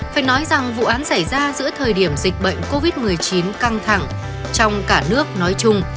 phải nói rằng vụ án xảy ra giữa thời điểm dịch bệnh covid một mươi chín căng thẳng trong cả nước nói chung